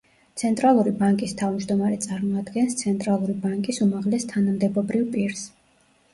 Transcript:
ცენტრალური ბანკის თავმჯდომარე წარმოადგენს ცენტრალური ბანკის უმაღლეს თანამდებობრივ პირს.